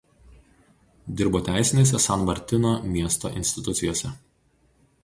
Dirbo teisinėse San Martino miesto institucijose.